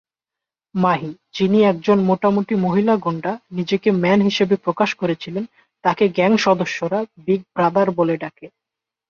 মাহি, যিনি একজন মোটামুটি মহিলা গুন্ডা, নিজেকে "ম্যান" হিসাবে প্রকাশ করেছিলেন, তাকে গ্যাং সদস্যরা "বিগ ব্রাদার" বলে ডাকে।